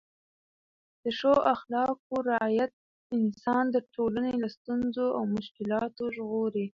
د ښو اخلاقو رعایت انسان د ټولنې له ستونزو او مشکلاتو ژغوري.